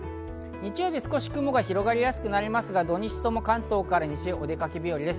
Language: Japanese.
日曜日は少し雲が広がりやすくなりますが、土・日とも関東から西、お出かけ日和です。